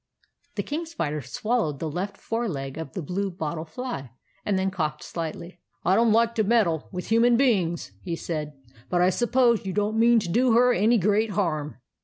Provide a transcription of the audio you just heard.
" i The King Spider swallowed the left fore leg of the blue bottle fly, and then coughed slightly. 11 1 don't like to meddle with human be ings," he said. "But I suppose you don't mean to do her any great harm."